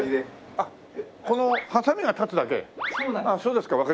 あっそうですか。